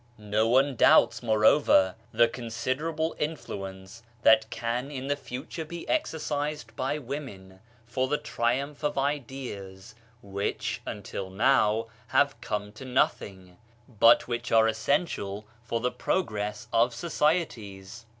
No one doubts, moreover, the consider able influence that can in the future be exercised by women for the triumph of ideas which until now have come to nothing, but which are essential for the progress of societies.